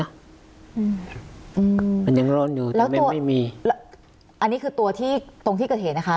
อืมมันยังร้อนอยู่แล้วมันไม่มีอันนี้คือตัวที่ตรงที่เกิดเหตุนะคะ